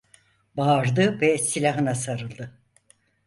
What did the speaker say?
Bağırdı ve silahına sarıldı.